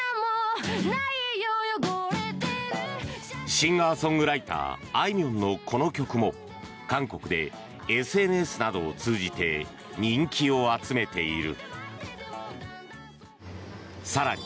シンガー・ソングライターあいみょんのこの曲も韓国でＳＮＳなどを通じて人気を集めている。